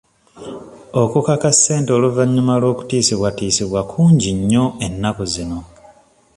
Okukaka ssente oluvannyuma lw'okutiisibwatiisibwa kungi nnyo ennaku zino.